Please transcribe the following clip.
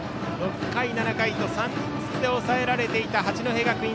６回、７回と３人ずつで抑えられていた八戸学院